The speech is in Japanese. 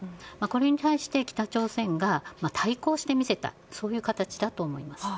これに対して北朝鮮が対抗して見せたそういう形だと思います。